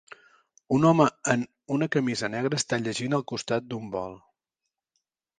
Un home en una camisa negre està llegint el costat d'un bol